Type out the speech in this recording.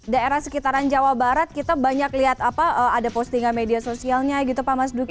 daerah sekitaran jawa barat kita banyak lihat apa ada postingan media sosialnya gitu pak mas duki